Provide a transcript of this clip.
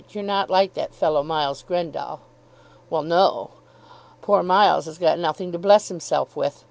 You're not like that fellow, Miles Grendall." "Well; no. Poor Miles has got nothing to bless himself with.